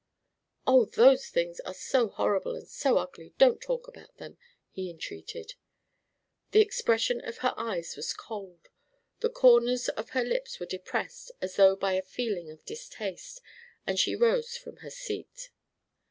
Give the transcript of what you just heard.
"Oh, those things are so horrible and so ugly: don't talk about them!" he entreated. The expression of her eyes was cold; the corners of her lips were depressed as though by a feeling of distaste; and she rose from her seat.